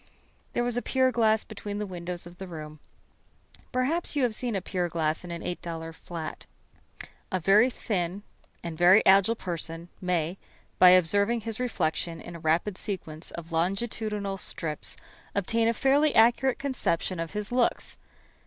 There was a pier glass between the windows of the room. Perhaps you have seen a pier glass in an $8 flat. A very thin and very agile person may, by observing his reflection in a rapid sequence of longitudinal strips, obtain a fairly accurate conception of his looks.